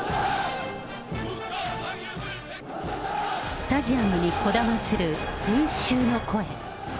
スタジアムにこだまするの声。